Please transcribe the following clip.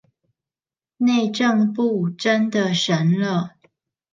內政部真的神了